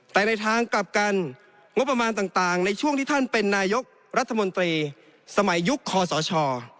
แต่ในทางกลับกันงบประมาณต่างในช่วงที่ท่านเป็นนายกรัฐมนตรีสมัยยุคคอสช